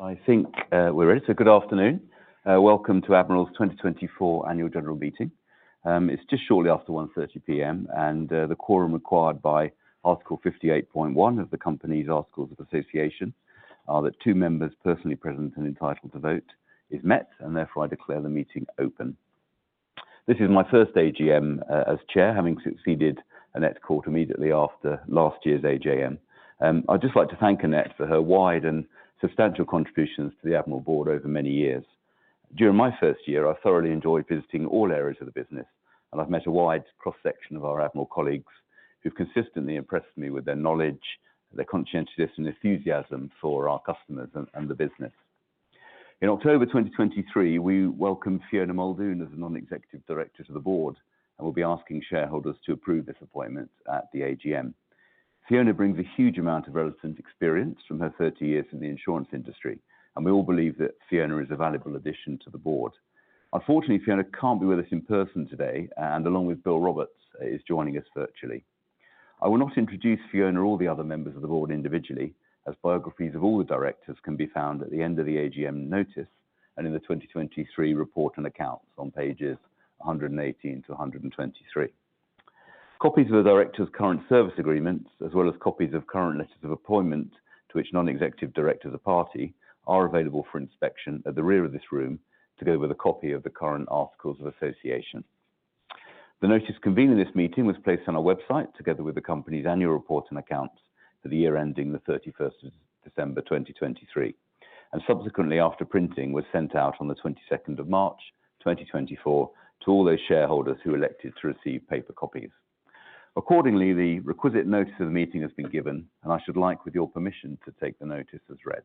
I think, we're ready. Good afternoon. Welcome to Admiral's 2024 Annual General Meeting. It's just shortly after 1:30 P.M., and the quorum required by Article 58.1 of the company's articles of association, are that two members personally present and entitled to vote, is met, and therefore I declare the meeting open. This is my first AGM as chair, having succeeded Annette Court immediately after last year's AGM. I'd just like to thank Annette for her wide and substantial contributions to the Admiral Board over many years. During my first year, I thoroughly enjoyed visiting all areas of the business, and I've met a wide cross-section of our Admiral colleagues, who've consistently impressed me with their knowledge, their conscientiousness, and enthusiasm for our customers and the business. In October 2023, we welcomed Fiona Muldoon as a non-executive director to the board, and we'll be asking shareholders to approve this appointment at the AGM. Fiona brings a huge amount of relevant experience from her 30 years in the insurance industry, and we all believe that Fiona is a valuable addition to the board. Unfortunately, Fiona can't be with us in person today, and along with Bill Roberts, is joining us virtually. I will not introduce Fiona or the other members of the board individually, as biographies of all the directors can be found at the end of the AGM notice and in the 2023 report and accounts on pages 118 to 123. Copies of the directors' current service agreements, as well as copies of current letters of appointment to which the non-executive directors of the Company, are available for inspection at the rear of this room, together with a copy of the current articles of association. The notice convening this meeting was placed on our website, together with the company's annual report and accounts for the year ending the thirty-first of December 2023, and subsequently after printing, was sent out on the twenty-second of March 2024, to all those shareholders who elected to receive paper copies. Accordingly, the requisite notice of the meeting has been given, and I should like, with your permission, to take the notice as read.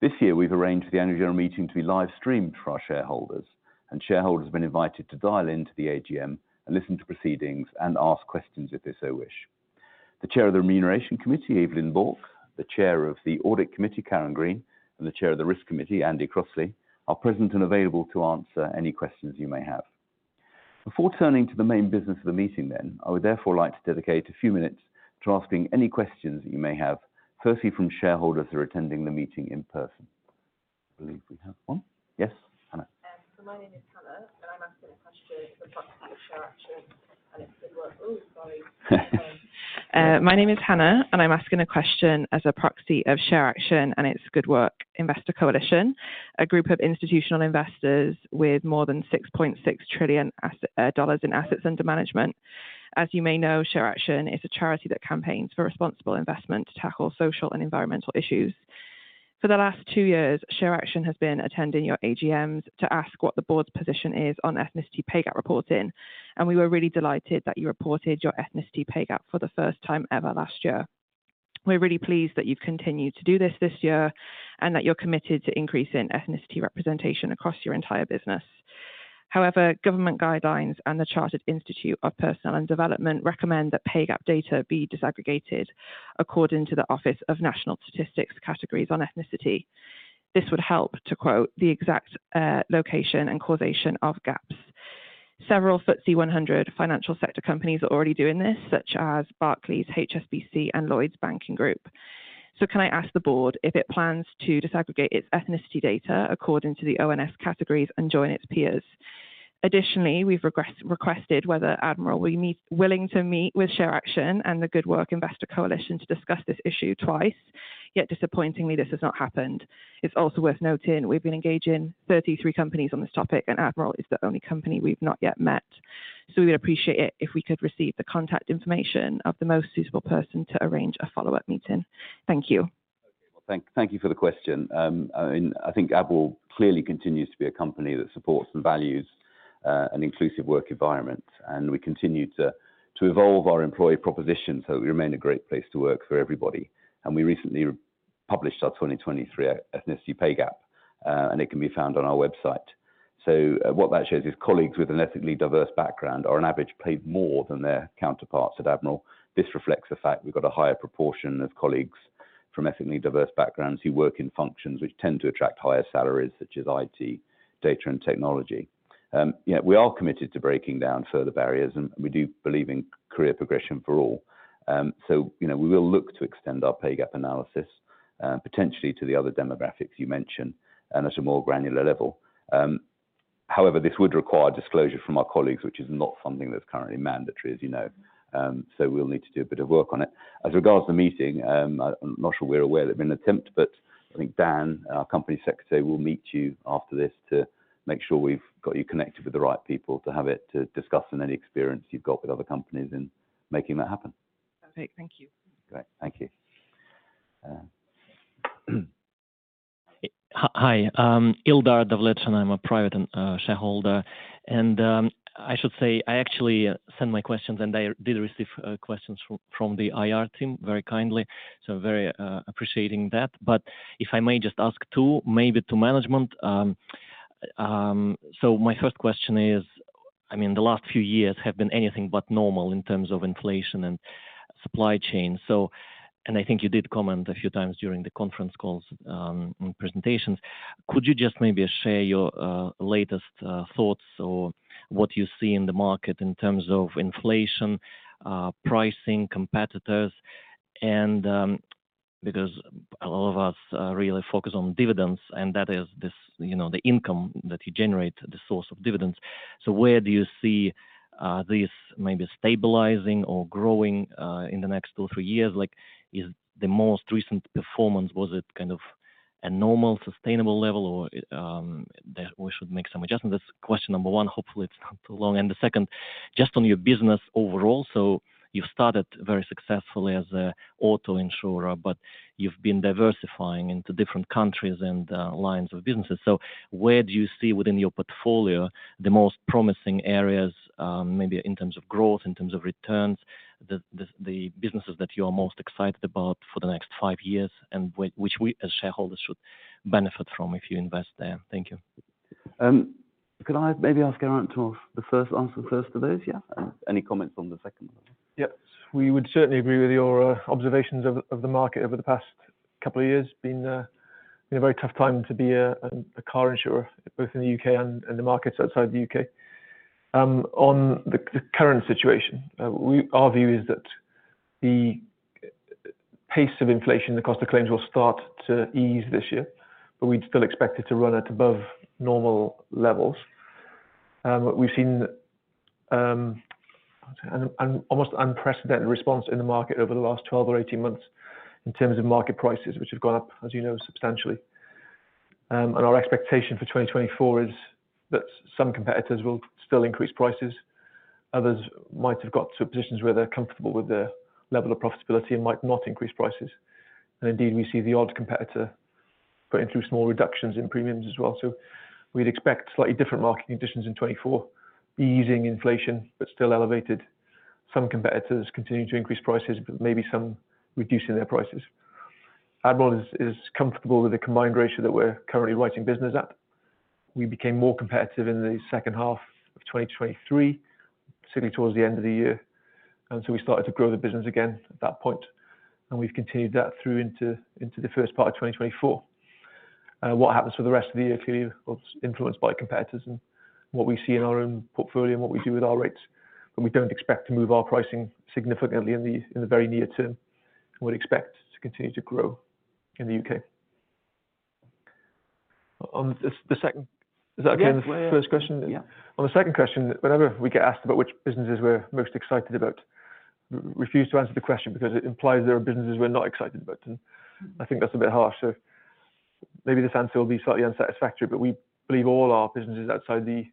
This year, we've arranged the annual general meeting to be live-streamed for our shareholders, and shareholders have been invited to dial into the AGM and listen to proceedings and ask questions if they so wish. The Chair of the Remuneration Committee, Evelyn Bourke, the Chair of the Audit Committee, Karen Green, and the Chair of the Risk Committee, Andy Crossley, are present and available to answer any questions you may have. Before turning to the main business of the meeting then, I would therefore like to dedicate a few minutes to asking any questions you may have, firstly, from shareholders who are attending the meeting in person. I believe we have one. Yes, Hannah? My name is Hannah, and I'm asking a question as a proxy of ShareAction and its Good Work Investor Coalition, a group of institutional investors with more than $6.6 trillion in assets under management. As you may know, ShareAction is a charity that campaigns for responsible investment to tackle social and environmental issues. For the last two years, ShareAction has been attending your AGMs to ask what the board's position is on ethnicity pay gap reporting, and we were really delighted that you reported your ethnicity pay gap for the first time ever last year. We're really pleased that you've continued to do this this year, and that you're committed to increasing ethnicity representation across your entire business. However, government guidelines and the Chartered Institute of Personnel and Development recommend that pay gap data be disaggregated according to the Office of National Statistics categories on ethnicity. This would help to quote, "the exact location and causation of gaps." Several FTSE 100 financial sector companies are already doing this, such as Barclays, HSBC, and Lloyds Banking Group. So can I ask the board if it plans to disaggregate its ethnicity data according to the ONS categories and join its peers? Additionally, we've requested whether Admiral will be willing to meet with ShareAction and the Good Work Investor Coalition to discuss this issue twice. Yet disappointingly, this has not happened. It's also worth noting we've been engaging 33 companies on this topic, and Admiral is the only company we've not yet met. We'd appreciate it if we could receive the contact information of the most suitable person to arrange a follow-up meeting. Thank you. Okay. Well, thank you for the question. And I think Admiral clearly continues to be a company that supports and values an inclusive work environment, and we continue to evolve our employee proposition, so we remain a great place to work for everybody. And we recently published our 2023 ethnicity pay gap, and it can be found on our website. So, what that shows is colleagues with an ethnically diverse background are on average paid more than their counterparts at Admiral. This reflects the fact we've got a higher proportion of colleagues from ethnically diverse backgrounds who work in functions which tend to attract higher salaries, such as IT, data, and technology. Yet we are committed to breaking down further barriers, and we do believe in career progression for all. So, you know, we will look to extend our pay gap analysis, potentially to the other demographics you mentioned and at a more granular level. However, this would require disclosure from our colleagues, which is not something that's currently mandatory, as you know. So we'll need to do a bit of work on it. As regards to the meeting, I'm not sure we're aware there's been an attempt, but I think Dan, our company secretary, will meet you after this to make sure we've got you connected with the right people, to have it, to discuss any experience you've got with other companies in making that happen. Okay. Thank you. Great. Thank you. Hi, Ildar Davletshin, and I'm a private shareholder. I should say, I actually sent my questions, and I did receive questions from the IR team, very kindly. Very appreciating that. But if I may just ask two, maybe to management. My first question is, I mean, the last few years have been anything but normal in terms of inflation and supply chain. And I think you did comment a few times during the conference calls on presentations. Could you just maybe share your latest thoughts or what you see in the market in terms of inflation, pricing, competitors? And because a lot of us really focus on dividends, and that is this, you know, the income that you generate, the source of dividends. So where do you see this maybe stabilizing or growing in the next two, three years? Like, is the most recent performance was it kind of a normal, sustainable level, or that we should make some adjustments? That's question number one. Hopefully, it's not too long. And the second, just on your business overall, so you started very successfully as a auto insurer, but you've been diversifying into different countries and lines of businesses. So where do you see within your portfolio, the most promising areas, maybe in terms of growth, in terms of returns, the businesses that you are most excited about for the next five years and which we as shareholders should benefit from if you invest there? Thank you. Could I maybe ask Geraint to first answer the first of those, yeah? Any comments on the second one? Yes. We would certainly agree with your observations of the market over the past couple of years. Been a very tough time to be a car insurer, both in the U.K. and the markets outside the U.K. On the current situation, we. Our view is that the pace of inflation, the cost of claims, will start to ease this year, but we'd still expect it to run at above normal levels. But we've seen an almost unprecedented response in the market over the last 12 or 18 months in terms of market prices, which have gone up, as you know, substantially. And our expectation for 2024 is that some competitors will still increase prices. Others might have got to positions where they're comfortable with their level of profitability and might not increase prices. And indeed, we see the odd competitor putting through small reductions in premiums as well. So we'd expect slightly different market conditions in 2024, easing inflation, but still elevated. Some competitors continuing to increase prices, but maybe some reducing their prices. Admiral is comfortable with the combined ratio that we're currently writing business at. We became more competitive in the second half of 2023, certainly towards the end of the year. And so we started to grow the business again at that point, and we've continued that through into the first part of 2024. What happens for the rest of the year clearly was influenced by competitors and what we see in our own portfolio and what we do with our rates, but we don't expect to move our pricing significantly in the very near term. We'd expect to continue to grow in the U.K. On the, the second... Is that okay, the first question? Yeah. On the second question, whenever we get asked about which businesses we're most excited about, we refuse to answer the question because it implies there are businesses we're not excited about, and I think that's a bit harsh. So maybe this answer will be slightly unsatisfactory, but we believe all our businesses outside the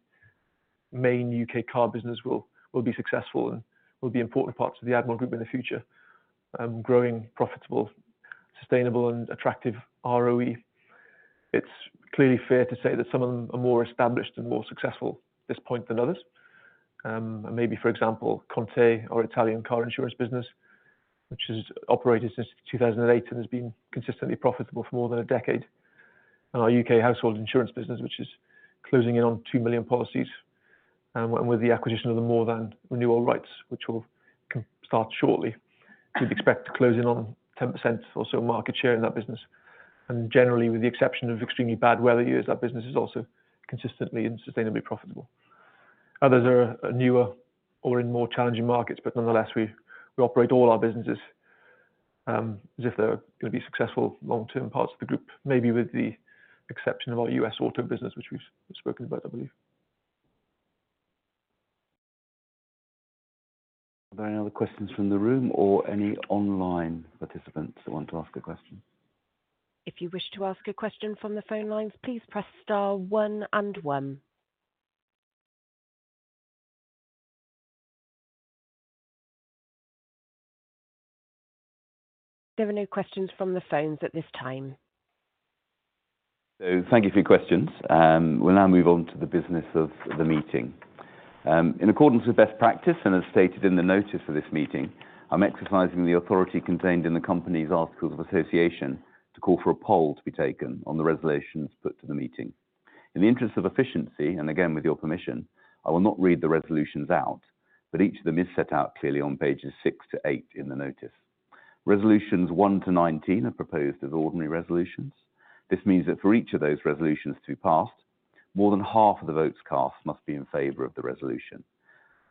main U.K. car business will be successful and will be important parts of the Admiral Group in the future, growing profitable, sustainable and attractive ROE. It's clearly fair to say that some of them are more established and more successful at this point than others. Maybe, for example, ConTe, our Italian car insurance business, which has operated since 2008 and has been consistently profitable for more than a decade. Our U.K. Household Insurance business, which is closing in on 2 million policies, and with the acquisition of the More Than renewal rights, which will commence shortly, we'd expect to close in on 10% or so market share in that business. Generally, with the exception of extremely bad weather years, that business is also consistently and sustainably profitable. Others are newer or in more challenging markets, but nonetheless, we operate all our businesses as if they're gonna be successful long-term parts of the group, maybe with the exception of our U.S. auto business, which we've spoken about, I believe. Are there any other questions from the room or any online participants who want to ask a question? If you wish to ask a question from the phone lines, please press star one and one. There are no questions from the phones at this time. Thank you for your questions. We'll now move on to the business of the meeting. In accordance with best practice, and as stated in the notice for this meeting, I'm exercising the authority contained in the company's articles of association to call for a poll to be taken on the resolutions put to the meeting. In the interest of efficiency, and again, with your permission, I will not read the resolutions out, but each of them is set out clearly on pages six to eight in the notice. Resolutions 1-19 are proposed as ordinary resolutions. This means that for each of those resolutions to be passed, more than half of the votes cast must be in favor of the resolution.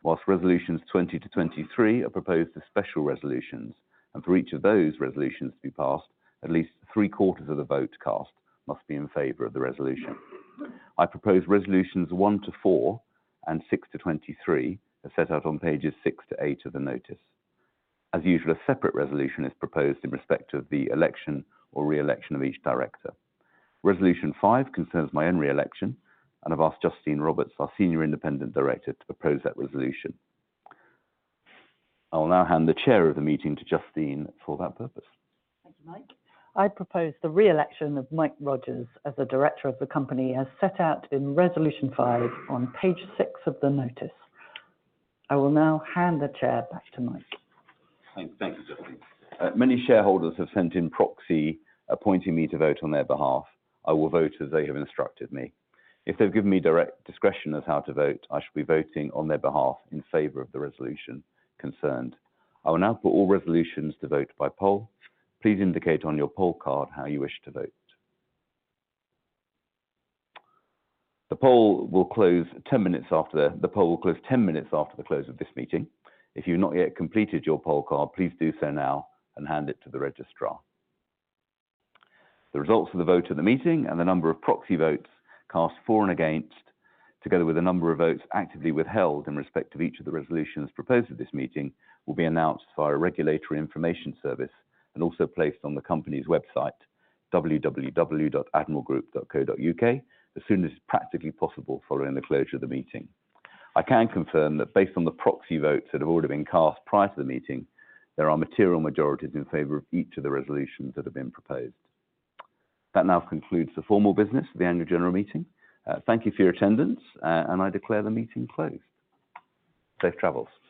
Whilst resolutions 20 to 23 are proposed as special resolutions, and for each of those resolutions to be passed, at least three-quarters of the votes cast must be in favor of the resolution. I propose resolutions one to four and six to 23, as set out on pages six to eight of the notice. As usual, a separate resolution is proposed in respect of the election or re-election of each director. Resolution five concerns my own re-election, and I've asked Justine Roberts, our senior independent director, to propose that resolution. I will now hand the chair of the meeting to Justine for that purpose. Thank you, Mike. I propose the re-election of Mike Rogers as a director of the company, as set out in resolution five on page six of the notice. I will now hand the chair back to Mike. Thank you, Justine. Many shareholders have sent in proxy, appointing me to vote on their behalf. I will vote as they have instructed me. If they've given me direct discretion of how to vote, I shall be voting on their behalf in favor of the resolution concerned. I will now put all resolutions to vote by poll. Please indicate on your poll card how you wish to vote. The poll will close ten minutes after the close of this meeting. If you've not yet completed your poll card, please do so now and hand it to the registrar. The results of the vote of the meeting and the number of proxy votes cast for and against, together with the number of votes actively withheld in respect of each of the resolutions proposed at this meeting, will be announced via Regulatory Information Service and also placed on the company's website, www.admiralgroup.co.uk, as soon as practically possible following the closure of the meeting. I can confirm that based on the proxy votes that have already been cast prior to the meeting, there are material majorities in favor of each of the resolutions that have been proposed. That now concludes the formal business of the annual general meeting. Thank you for your attendance, and I declare the meeting closed. Safe travels.